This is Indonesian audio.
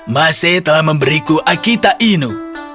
mas esan telah memberiku akita ini